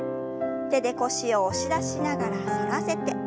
手で腰を押し出しながら反らせて。